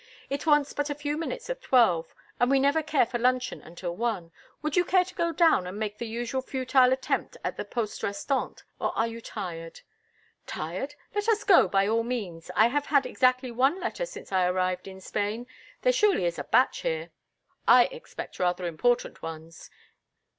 "It wants but a few minutes of twelve, and we never care for luncheon until one. Would you care to go down and make the usual futile attempt at the poste restante—or are you tired?" "Tired? Let us go, by all means. I have had exactly one letter since I arrived in Spain. There surely is a batch here." "I expect rather important ones."